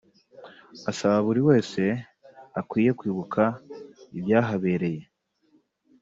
asaba buri wese akwiye kwibuka ibyahabereye